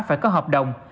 phải có hợp đồng